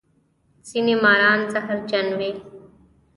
ځینې ماران زهرجن وي